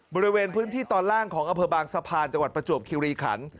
บริเวณพื้นที่ตอนล่างของอำเภอบางสะพานจังหวัดประจวบคิวรีขัน